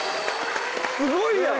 すごいやん！